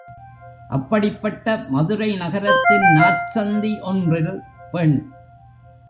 அப்படிப்பட்ட மதுரை நகரத்தின் நாற்சந்தி ஒன்றில் பெண்.